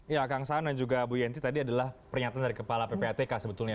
ya kang saan dan juga bu yenti tadi adalah pernyataan dari kepala ppatk sebetulnya